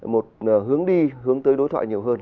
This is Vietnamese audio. một hướng đi hướng tới đối thoại nhiều hơn